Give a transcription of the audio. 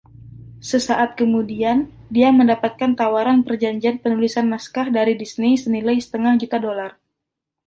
Sesaat kemudian, dia mendapat tawaran perjanjian penulisan naskah dari Disney senilai setengah juta dolar.